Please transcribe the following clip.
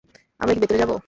আমরা কি ভেতরে যাব?